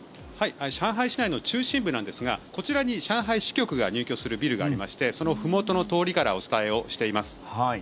上海市内の中心部なんですがこちらに上海支局が入居するビルがありましてそのふもとの通りからお伝えしています。